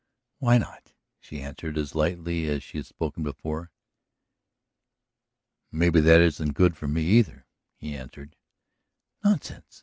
"Why not?" she answered as lightly as she had spoken before. "Maybe that isn't good for me either," he answered. "Nonsense.